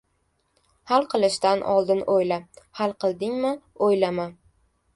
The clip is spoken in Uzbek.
• Hal qilishdan oldin o‘yla, hal qildingmi — o‘ylama.